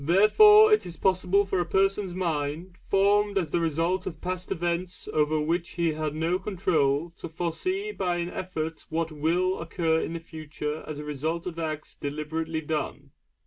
Therefore it is possible for a person's mind, formed as the result of past events over which he had no control, to foresee by an effort what will occur in the future as the result of acts deliberately done.